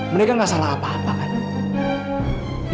mereka nggak salah apa apa kan